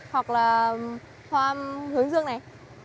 hoặc là hoa hướng dương này